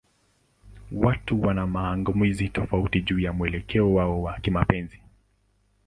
Watu wana mang'amuzi tofauti juu ya mwelekeo wao wa kimapenzi.